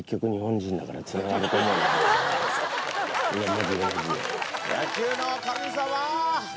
マジでマジで。